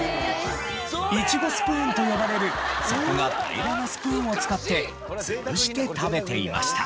イチゴスプーンと呼ばれる底が平らなスプーンを使って潰して食べていました。